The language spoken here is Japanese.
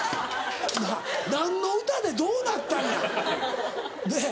何の歌でどうなったんやねぇ。